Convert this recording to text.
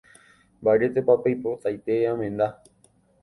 Mba'éretepa peipotaite amenda